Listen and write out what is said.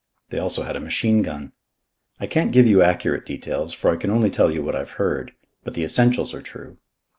They also had a machine gun. I can't give you accurate details, for I can only tell you what I've heard; but the essentials are true.